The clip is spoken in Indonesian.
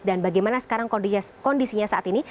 dan bagaimana sekarang kondisinya saat ini